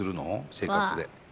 生活で。